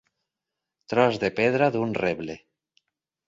Tros de pedra d'un reble.